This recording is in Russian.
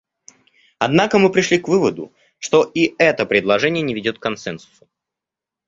Однако мы пришли к выводу, что и это предложение не ведет к консенсусу.